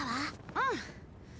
うん。